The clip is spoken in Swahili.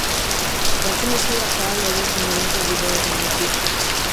Lakini pia kwa wale wanaotengeneza Video za muziki